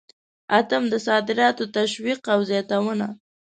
اتم: د صادراتو تشویق او زیاتونه.